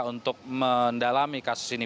untuk mendalami kasus ini